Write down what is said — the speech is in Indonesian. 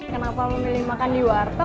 kenapa memilih makan di warteg